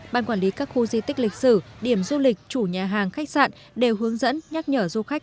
ban quản lý các khu di tích lịch sử điểm du lịch chủ nhà hàng khách sạn đều hướng dẫn nhắc nhở du khách